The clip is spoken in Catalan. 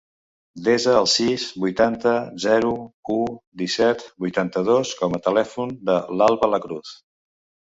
Desa el sis, vuitanta, zero, u, disset, vuitanta-dos com a telèfon de l'Albà Lacruz.